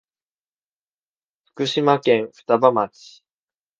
福島県双葉町